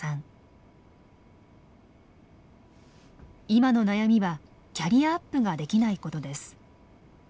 今の悩みはキャリアアップができないことです。